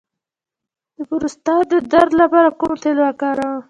د پروستات د درد لپاره کوم تېل وکاروم؟